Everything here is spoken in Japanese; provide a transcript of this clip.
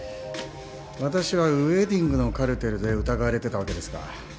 私はウエディングのカルテルで疑われてたわけですか。